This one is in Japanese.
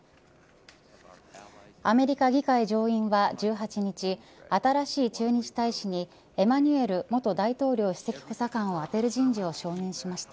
アメリカ議会上院は１８日新しい駐日大使にエマニュエル元大統領首席補佐官を充てる人事を承認しました。